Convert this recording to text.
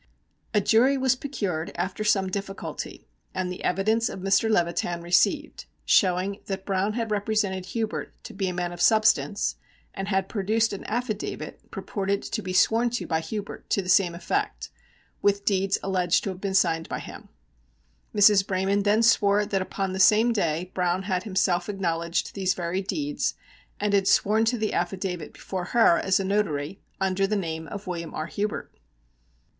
A jury was procured after some difficulty, and the evidence of Mr. Levitan received, showing that Browne had represented Hubert to be a man of substance, and had produced an affidavit, purported to be sworn to by Hubert, to the same effect, with deeds alleged to have been signed by him. Mrs. Braman then swore that upon the same day Browne had himself acknowledged these very deeds and had sworn to the affidavit before her as a notary, under the name of William R. Hubert.